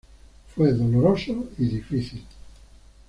Fue doloroso y difícil.